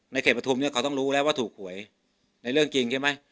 เขตประทุมเนี่ยเขาต้องรู้แล้วว่าถูกหวยในเรื่องจริงใช่ไหม